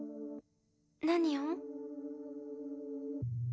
何を？